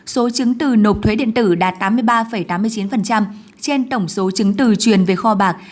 số chứng từ nộp thuế điện tử đạt tám mươi ba tám mươi chín trên tổng số chứng từ truyền về kho bạc